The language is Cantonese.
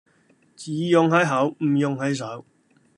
只溶喺口唔溶喺手